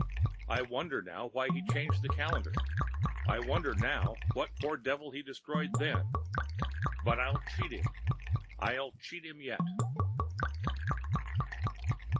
I wonder now why he changed the calendar. I wonder now what poor devil he destroyed then. But I'll cheat him! I'll cheat him yet!